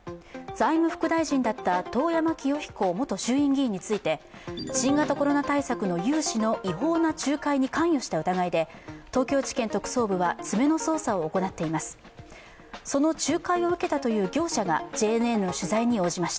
財務副大臣だった遠山清彦元衆院議員について新型コロナ対策の融資の違法な仲介に関与した疑いで東京地検特捜部は詰めの捜査を行っています。